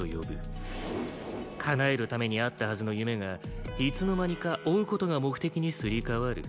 かなえるためにあったはずの夢がいつの間にか追う事が目的にすり替わる。